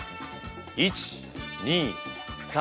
１２３